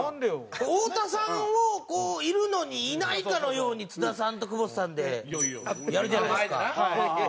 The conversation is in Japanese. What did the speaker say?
太田さんをいるのにいないかのように津田さんと久保田さんでやるじゃないですか。